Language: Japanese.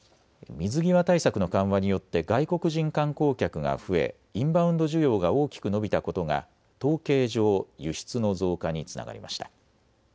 水際対策の緩和によって外国人観光客が増えインバウンド需要が大きく伸びたことが統計上、輸出の増加につながりました。